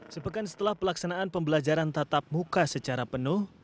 sepekan setelah pelaksanaan pembelajaran tatap muka secara penuh